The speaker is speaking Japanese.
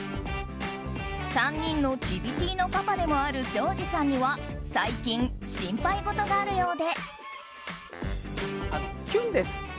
３人のチビティーのパパでもある庄司さんには最近、心配事があるようで。